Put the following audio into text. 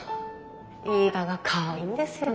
言い方がかわいいんですよね